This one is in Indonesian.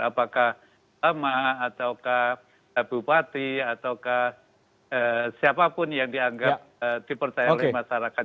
apakah emak atau bupati atau siapapun yang dianggap dipercayai oleh masyarakat